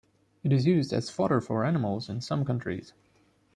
It is used as fodder for animals in some countries.